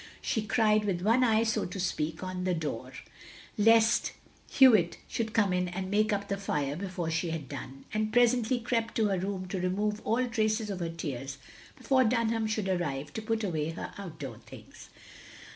She cried with one eye, so to speak, on the door, lest Hewitt should come in to make up the fire before she had done; and presently crept to her room to remove all traces of her tears before Dunham should arrive to put away her outdoor things.